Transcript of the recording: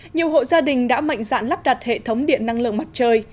nhiều hộ gia đình đã mạnh dạn lắp đặt hệ thống điện năng lượng mặt trời